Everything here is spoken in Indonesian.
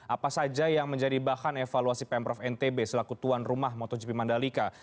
apa saja yang menjadi bahan evaluasi pemprov ntb selaku tuan rumah motogp mandalika